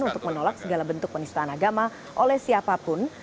untuk menolak segala bentuk penistaan agama oleh siapapun